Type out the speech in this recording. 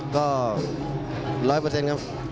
ก็๑๐๐ครับ